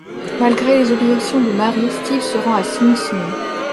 Malgré les objections de Mary, Steve se rend à Sing Sing.